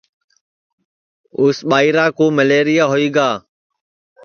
ریماں کُو مئلیریا ہوئی گا